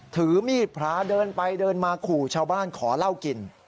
ถือมีดพระเดินไปเดินมาขู่ชาวบ้านขอเหล้ากิน